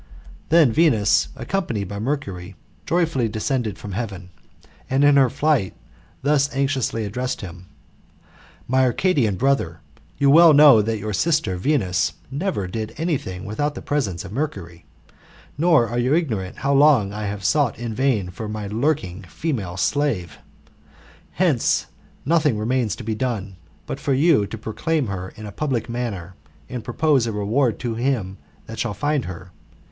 Then Venus, accompanied by Mercury, joyfully descended from heaven, and, in her flight, thus anxiously addressed him :" My Arcadian brother, you well know that your sister, Venus, never did any thing without the presence of Mercury, nor are you ignorant how lonp I have sought in vain for my lurking female slave. Hence nothing remains to be done, but for you to proclaim her in a public manner, and propose a reward to him that shall find her.